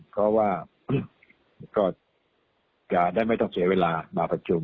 ก็ว่าคือก็การได้ไม่ต้องเสียเวลามาประชุม